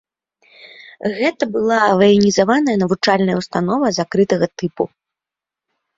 Гэта была ваенізаваная навучальная ўстанова закрытага тыпу.